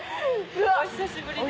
お久しぶりです。